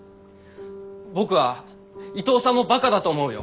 僕は伊藤さんもバカだと思うよ！